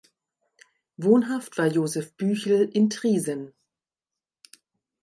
Wohnhaft war Josef Büchel in Triesen.